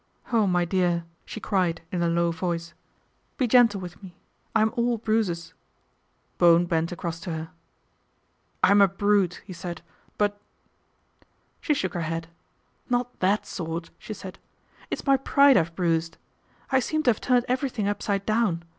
Oh, my dear ! '"she cried in a low voice, " be gentle with me. I'm all bruises." Bowen bent across to her. " I'm a brute," he said, " but " She shook her head. " Not that sort," she said. ' It's my pride I've bruised. I seem to have turned everything upside down.